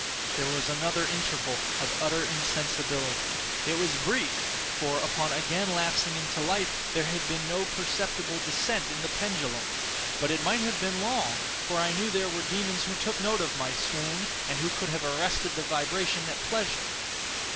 There was another interval of utter insensibility; it was brief; for, upon again lapsing into life there had been no perceptible descent in the pendulum. But it might have been long; for I knew there were demons who took note of my swoon, and who could have arrested the vibration at pleasure.